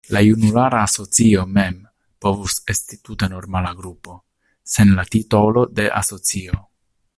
La junulara asocio mem povus esti tute normala grupo, sen la titolo de asocio.